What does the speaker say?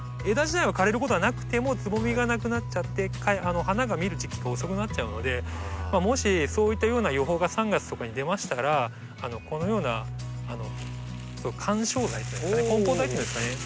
枝自体は枯れることはなくてもつぼみがなくなっちゃって花が見る時期が遅くなっちゃうのでもしそういったような予報が３月とかに出ましたらこのような緩衝材っていうんですかね